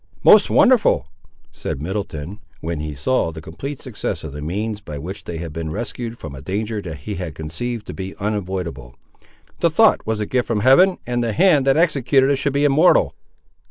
"Most wonderful!" said Middleton, when he saw the complete success of the means by which they had been rescued from a danger that he had conceived to be unavoidable. "The thought was a gift from Heaven, and the hand that executed it should be immortal!"